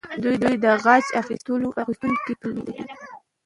دوی د غچ اخیستونکې تورې لیدلې.